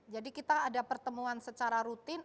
jadi kita ada pertemuan secara rutin